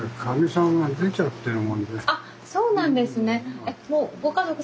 あっそうなんですね。